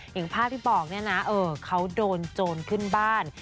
อย่างภาพที่บอกเนี่ยนะเขาโดนโจรขึ้นบ้าน